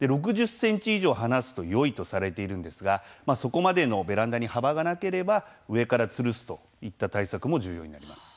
６０ｃｍ以上離すとよいとされているんですがそこまでのベランダに幅がなければ上からつるすといった対策も重要になります。